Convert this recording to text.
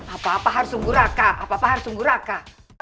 apa apa harus sungguh raka apa apa harus tunggu raka